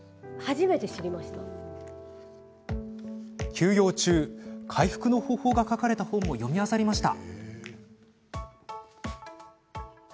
休養中、回復の方法が書かれた本も読みあさりました。